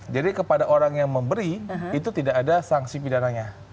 jadi kepada orang yang memberi itu tidak ada sanksi pidananya